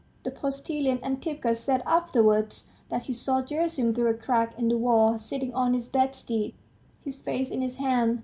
The postilion Antipka said afterwards that he saw Gerasim through a crack in the wall, sitting on his bedstead, his face in his hand.